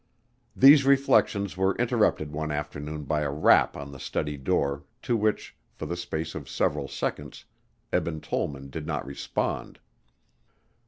These reflections were interrupted one afternoon by a rap on the study door to which, for the space of several seconds, Eben Tollman did not respond.